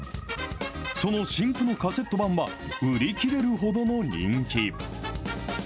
その新譜のカセット版は、売り切れるほどの人気。